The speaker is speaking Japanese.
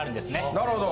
なるほど。